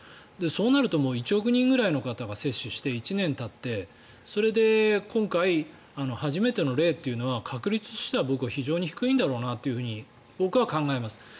そうなると１億人ぐらいの方が接種して１年たって、それで今回、初めての例というのは確率としては非常に低いんだろうと考えます。